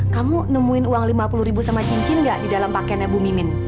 kamu nemuin uang lima puluh ribu sama cincin gak di dalam pakaiannya bu mimin